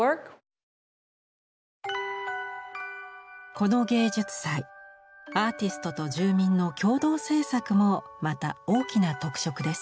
この芸術祭アーティストと住民の共同制作もまた大きな特色です。